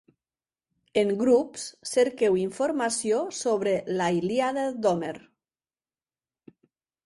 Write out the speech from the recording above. En grups, cerqueu informació sobre la Ilíada d'Homer.